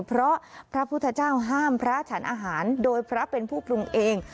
เพราะพระพุทธเจ้าห้ามพระฉันอาหารโดยพระเป็นผู้ปรุงเอง